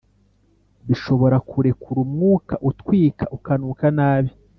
bishobora kurekura umwuka utwika ukanuka nabi,